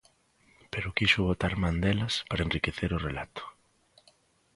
Pero quixo botar man delas para enriquecer o relato.